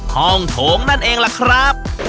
ห้องโถงนั่นเองล่ะครับ